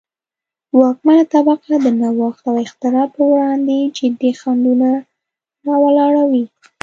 واکمنه طبقه د نوښت او اختراع پروړاندې جدي خنډونه را ولاړوي.